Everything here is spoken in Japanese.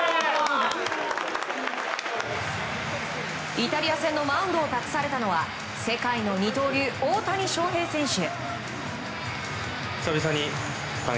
イタリア戦のマウンドを託されたのは世界の二刀流、大谷翔平選手。